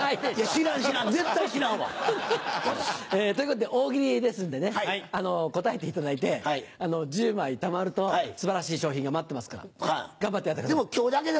知らん知らん絶対知らんわ。ということで大喜利ですんでね答えていただいて１０枚たまると素晴らしい賞品が待ってますから頑張ってやってください。